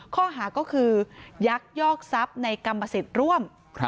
ข้อหาก็คือยักยอกทรัพย์ในกรรมสิทธิ์ร่วม